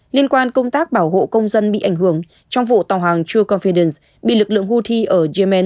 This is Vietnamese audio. liên quan công tác bảo hộ công dân bị ảnh hưởng trong vụ tàu hàng true confidence bị lực lượng houthi ở yemen